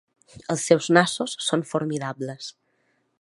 Els seus nassos són formidables.